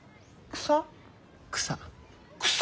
草。